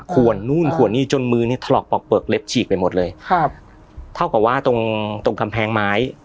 ขวนนู่นขวนนี่จนมือนี่ถลอกปอกเปลือกเล็บฉีกไปหมดเลยครับเท่ากับว่าตรงตรงกำแพงไม้